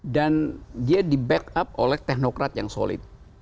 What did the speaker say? dan dia di backup oleh teknokrat yang solid